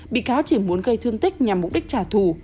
bị cáo chỉ muốn gây thương tích nhằm mục đích trả thù